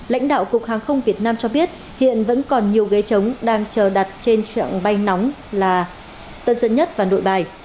lãnh đạo cục hàng không việt nam cho biết hiện vẫn còn nhiều ghế trống đang chờ đặt trên trạng bay nóng là tân dân nhất và nội bài